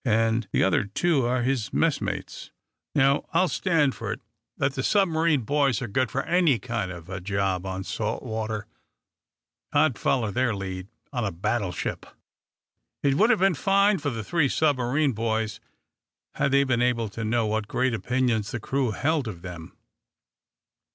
And the other two are his messmates. Now, I'll stand for it that the submarine boys are good for any kind of a job on salt water. I'd foller their lead on a battleship!" It would have been fine for the three submarine boys had they been able to know what great opinions the crew held of them.